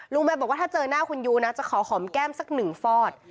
แม่บอกว่าถ้าเจอหน้าคุณยูนะจะขอหอมแก้มสักหนึ่งฟอด